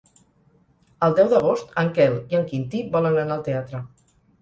El deu d'agost en Quel i en Quintí volen anar al teatre.